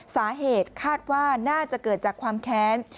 สาเหตุคาดว่าน่าจะเกิดจากความแค้น